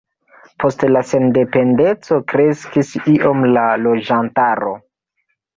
Post la sendependeco kreskis iom la loĝantaro.